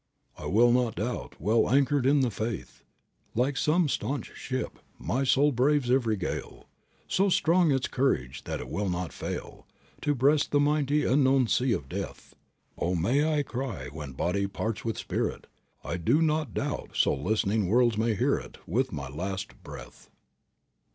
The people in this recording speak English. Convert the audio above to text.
"I will not doubt; well anchored in the faith, Like some stanch ship, my soul braves every gale, So strong its courage that it will not fail To breast the mighty unknown sea of Death. Oh, may I cry when body parts with spirit, 'I do not doubt,' so listening worlds may hear it, With my last breath."